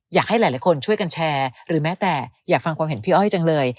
อยากให้หลายคนช่วยกันแชร์หรือแม้แต่อยากฟังความเห็นพี่อ้อยจังเลย